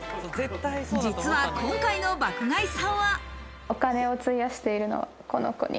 実は今回の爆買いさんは。